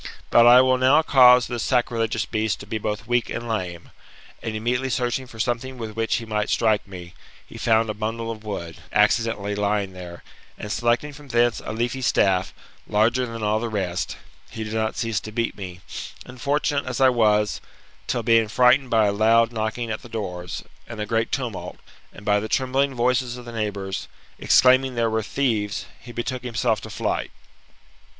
But I will now cause this sacrilegious beast to be both weak and lame. And immediately searching for something with GOLDEN ASS, OF APULSIUS. — BOOK III. 49 which he might strike me, he found a bundle of wood, acci dently lying there, and, selecting from thence a leafy staff, larger than all the rest, he did not cease to beat me, unfortunate as I was, till, being frightened by a loud knocking at the doors, and a great tumult, and by the trembling voices of the neighbours, exclaiming there were thieves, he betook himself to flight.